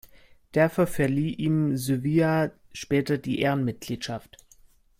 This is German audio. Dafür verlieh ihm Suevia später die Ehrenmitgliedschaft.